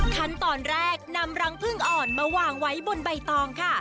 ขั้นตอนแรกนำรังพึ่งอ่อนมาวางไว้บนใบตองค่ะ